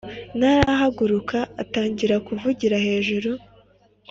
ntarahaguruka atangira kuvugira hejuru